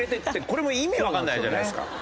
これも意味わからないじゃないですか。